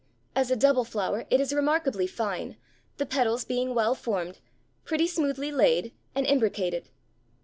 As a double flower it is remarkably fine, the petals being well formed, pretty smoothly laid and imbricated."